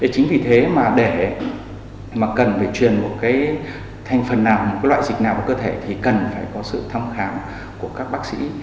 chính vì thế mà để mà cần phải truyền một cái thành phần nào một loại dịch nào vào cơ thể thì cần phải có sự thăm khám của các bác sĩ